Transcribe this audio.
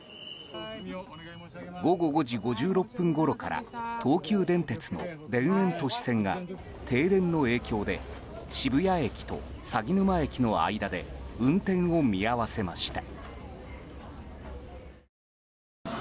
午後５時５６分ごろから東急電鉄の田園都市線が停電の影響で渋谷駅と鷺沼駅の間で運転を見合わせました。